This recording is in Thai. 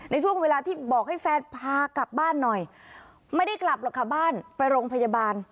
ในช่วงเวลาที่บอกให้แฟนพากลับบ้านหน่อยไม่ได้กลับหรอกค่ะบ้านไปโรงพยาบาล